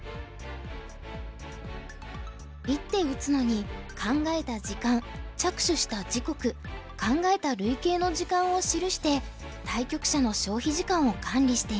一手打つのに考えた時間着手した時刻考えた累計の時間を記して対局者の消費時間を管理しています。